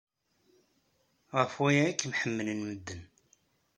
Ɣef waya ay kem-ḥemmlen medden.